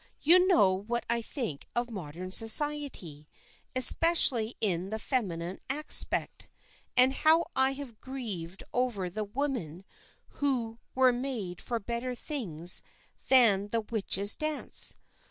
You know what I think of modern Society, especially in its feminine aspect, and how I have grieved over the women who were made for better things than the witches' dance.